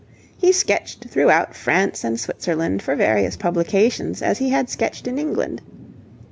He sketched throughout France and Switzerland for various publications as he had sketched in England.